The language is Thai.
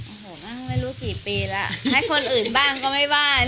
โอ้โหบ้างไม่รู้กี่ปีแล้วให้คนอื่นบ้างก็ไม่ว่า